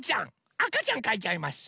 あかちゃんかいちゃいます。